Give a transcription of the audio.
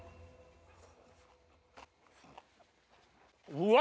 うわ！